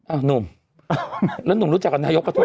อ้าวหนุ่มแล้วหนุ่มรู้จักกับนายกประทุมเหรอ